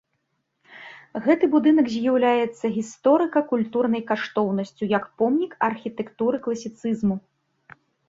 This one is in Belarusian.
Гэты будынак з'яўляецца гісторыка-культурнай каштоўнасцю як помнік архітэктуры класіцызму.